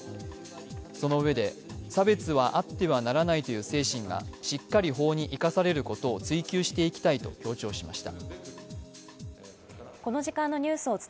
そのうえで差別はあってはならないという精神がしっかり法に生かされることを追求していきたいと強調しました。